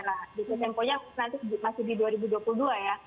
jadi temponya nanti masih di dua ribu dua puluh dua ya